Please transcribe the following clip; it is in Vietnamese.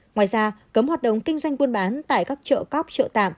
ngoài ra cấm hoạt động kinh doanh buôn bán tại các chợ cóc chợ tạm